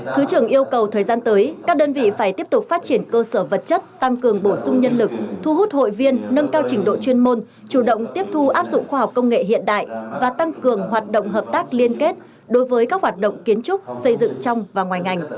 thứ trưởng yêu cầu thời gian tới các đơn vị phải tiếp tục phát triển cơ sở vật chất tăng cường bổ sung nhân lực thu hút hội viên nâng cao trình độ chuyên môn chủ động tiếp thu áp dụng khoa học công nghệ hiện đại và tăng cường hoạt động hợp tác liên kết đối với các hoạt động kiến trúc xây dựng trong và ngoài ngành